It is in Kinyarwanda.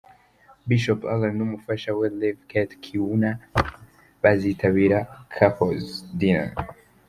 Bishop Allan n'umufasha we Rev Kathy Kiuna bazitabira 'Couples' dinner'.